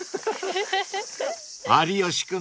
［有吉君